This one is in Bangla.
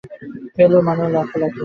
ফেলও মারে লাখে লাখে।